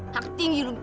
hak tinggi lu